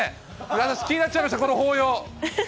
私気になっちゃいました、抱擁。